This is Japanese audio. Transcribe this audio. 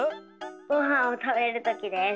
ごはんを食べるときです。